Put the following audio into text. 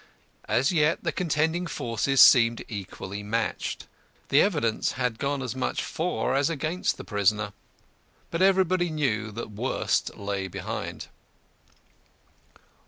As yet the contending forces seemed equally matched. The evidence had gone as much for as against the prisoner. But everybody knew that worse lay behind.